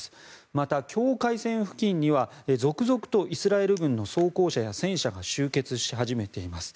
また、境界線付近には続々とイスラエル軍の装甲車や戦車が集結し始めています。